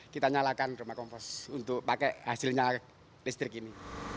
kita nyalakan rumah kompos untuk pakai hasilnya listrik ini